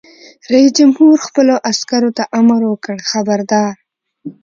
رئیس جمهور خپلو عسکرو ته امر وکړ؛ خبردار!